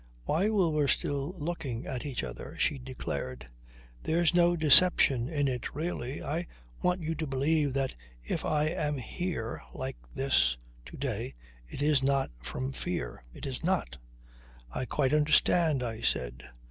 While we were still looking at each other she declared: "There's no deception in it really. I want you to believe that if I am here, like this, to day, it is not from fear. It is not!" "I quite understand," I said.